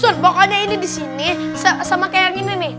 jun pokoknya ini di sini sama kayak yang ini nih